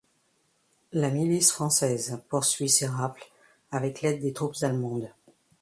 La Milice française poursuit ses rafles avec l'aide des troupes allemandes.